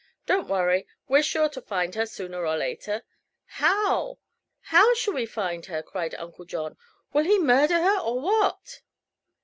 "Don't worry. We're sure to find her, sooner or later." "How? How shall we find her?" cried Uncle John. "Will he murder her, or what?"